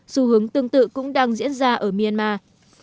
xu hướng tương tự cũng đang diễn ra ở myanmar